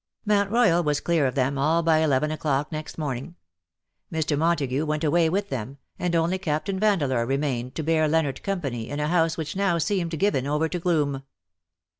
Mount Royal was clear of them all by eleven o^clock next morning. Mr. Montagu went away with them, and only Captain Vandeleur remained to bear Leonard company in a house which now seemed given over to gloom.